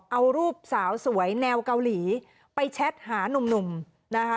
เอารูปสาวสวยแนวเกาหลีไปแชทหานุ่มนะคะ